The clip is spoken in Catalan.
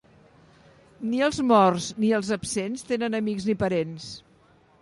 Ni els morts ni els absents tenen amics ni parents.